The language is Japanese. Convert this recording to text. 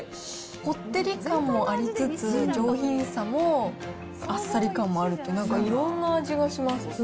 こってり感もありつつ、上品さもあっさり感もあるっていう、なんかいろんな味がします。